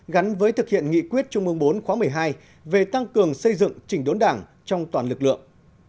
gắn với thực hiện nghị quyết trung mương bốn khóa một mươi hai về tăng cường xây dựng chỉnh đốn đảng trong toàn lực lượng